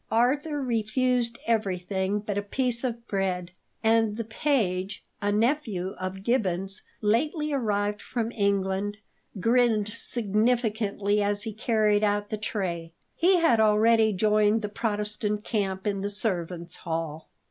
Arthur refused everything but a piece of bread; and the page, a nephew of Gibbons, lately arrived from England, grinned significantly as he carried out the tray. He had already joined the Protestant camp in the servants' hall.